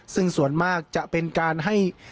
ซึ่งส่วนมากจะเป็นการให้